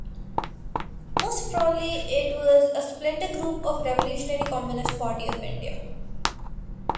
Most probably it was a splinter group of Revolutionary Communist Party of India.